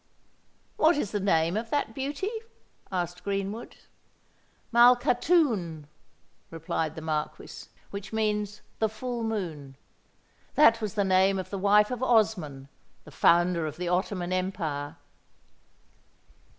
"What is the name of that beauty?" asked Greenwood. "Malkhatoun," replied the Marquis; "which means The Full Moon. That was the name of the wife of Osman, the founder of the Ottoman empire."